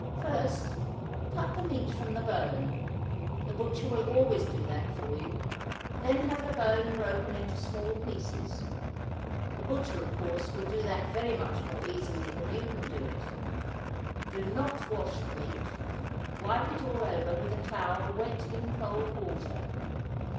First, cut the meat from the bone; the butcher will always do that for you; then have the bone broken in small pieces. The butcher, of course, will do that very much more easily than you can do it. Do not wash the meat; wipe it all over with a towel wet in cold water.